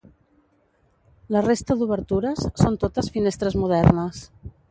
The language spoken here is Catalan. La resta d'obertures, són totes finestres modernes.